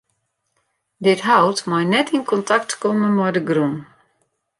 Dit hout mei net yn kontakt komme mei de grûn.